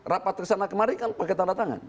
rapat kesana kemarin kan pakai tanda tangan